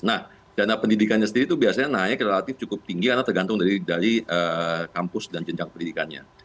nah dana pendidikannya sendiri itu biasanya naik relatif cukup tinggi karena tergantung dari kampus dan jenjang pendidikannya